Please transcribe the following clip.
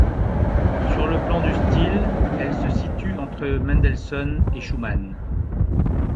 Sur le plan du style, elle se situe entre Mendelssohn et Schumann.